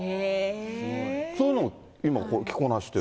そういうのを今、着こなしてる。